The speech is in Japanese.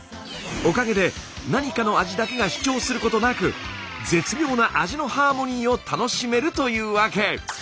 おかげで何かの味だけが主張することなく絶妙な味のハーモニーを楽しめるというわけ。